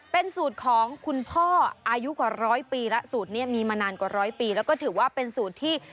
เป็นสูตรของคุณพ่ออายุกว่าร้อยปีแล้วสูตรนี้มีมานานกว่าร้อยปีแล้วก็ถือว่าเป็นสูตรที่